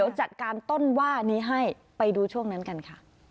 อันนี้แหละพอคำนี้พูดถึง